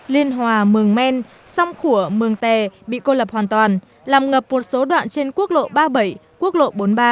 liên hòa mường men song khủa mường tè bị cô lập hoàn toàn làm ngập một số đoạn trên quốc lộ ba mươi bảy quốc lộ bốn mươi ba